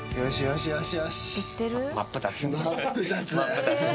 真っ二つに。